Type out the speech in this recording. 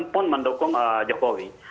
pun mendukung jokowi